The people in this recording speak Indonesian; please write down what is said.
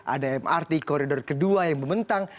ada mrt koridor kedua yang membentang